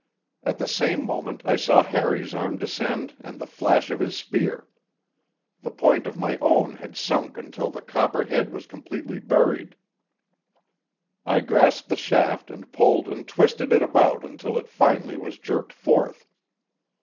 At the same moment I saw Harry's arm descend and the flash of his spear. The point of my own had sunk until the copper head was completely buried. I grasped the shaft and pulled and twisted it about until it finally was jerked forth.